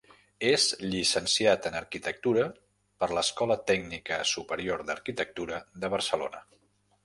És llicenciat en arquitectura per l'Escola Tècnica Superior d'Arquitectura de Barcelona.